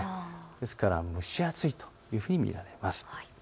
ですから蒸し暑いというふうに見られます。